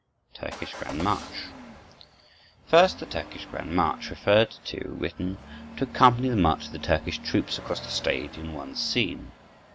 Turkish Grand March First, the "Turkish Grand March" referred to, written to accompany the march of the Turkish troops across the stage in one scene.